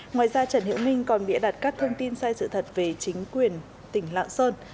ngoài ra trần hiễu minh còn bịa đặt các thông tin sai sự thật về chính quyền tỉnh lạng sơn